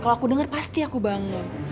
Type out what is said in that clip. kalau aku dengar pasti aku bangun